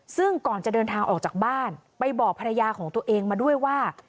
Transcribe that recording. ซึ่งก่อนจะเดินทางออกจากบ้านไปบอกภรรยาของตัวเองมาด้วยว่า